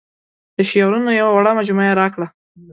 د شعرونو یوه وړه مجموعه یې راکړه.